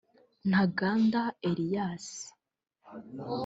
Ntaganda Elias